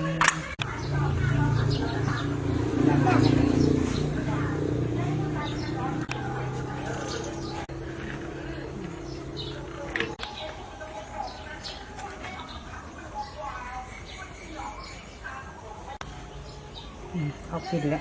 อืมออกไปดีกว่า